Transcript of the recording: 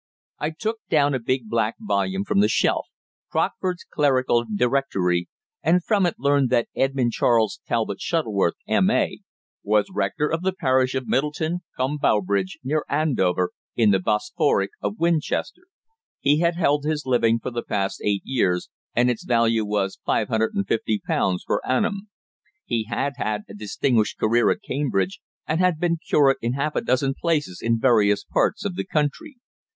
I took down a big black volume from the shelf Crockford's Clerical Directory and from it learned that Edmund Charles Talbot Shuttleworth, M.A., was rector of the parish of Middleton cum Bowbridge, near Andover, in the Bishopric of Winchester. He had held his living for the past eight years, and its value was £550 per annum. He had had a distinguished career at Cambridge, and had been curate in half a dozen places in various parts of the country.